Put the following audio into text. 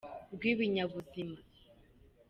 rw’ibinyabuzima.